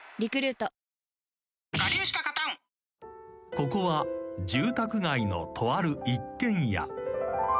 ［ここは住宅街のとある一軒家］